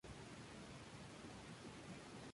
Honor Blackman interpretó a la Dra.